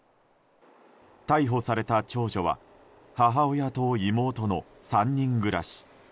逮捕された長女は母親と妹の３人暮らし。